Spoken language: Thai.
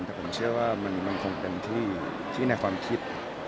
แต่ผมเชื่อว่ามันคงเต็มที่ในความคิด